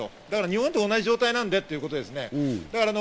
日本と同じ状態なんでということですね。